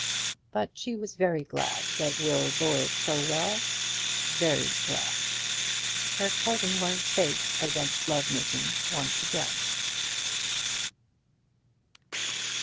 But she was very glad that Will bore it so well; very glad! Her cousin was safe against love making once again.